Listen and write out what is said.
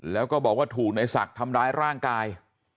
แล้วก็บอกว่าถูกในศักดิ์ทำร้ายร่างกาย